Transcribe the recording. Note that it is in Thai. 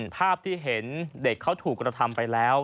ภาพที่เห็นเด็กเขาถูกกระทำไปแล้ว